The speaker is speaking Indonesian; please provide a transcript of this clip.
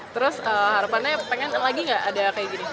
terus harapannya pengen lagi gak ada kayak gini